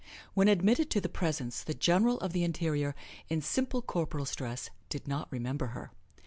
When admitted to the presence, the General of the Interior, in simple corporal's dress, did not remember her.